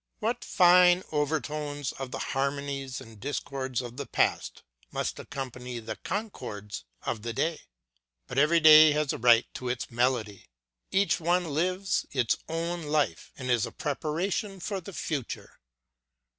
What fine overtones of the harmonies and discords of the past must ac company the concords of the day ! But every day has a right to its melody. Each one lives its own life and is a preparation for the future.